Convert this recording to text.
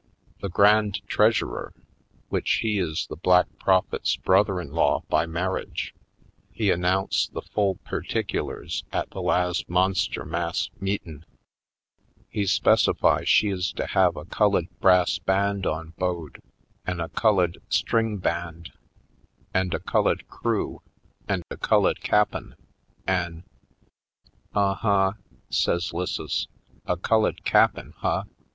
"The Grand Treasurer, w'ich he is the Black Prophet's brother in law by mar riage, he announce' the full perticulars at the las' monster mass meetin'. He specify she is to have a cullid brass band on bode an' a cullid string band an' a cullid crew an' a cullid cap'n an' " "Uh huh!" says 'Lisses, "A cullid cap'n, huh?